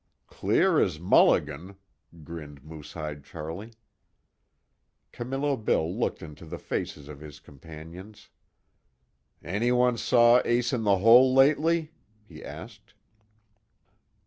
"Clear as mulligan," grinned Moosehide Charlie. Camillo Bill looked into the faces of his companions: "Anyone saw Ace In The Hole, lately?" he asked.